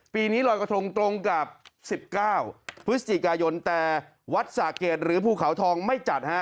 ปีนี้ลอยกระทงตรงกับ๑๙พฤศจิกายนแต่วัดสะเกดหรือภูเขาทองไม่จัดฮะ